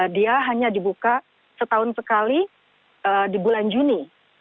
dia hanya dibuka setahun sekali di bulan juni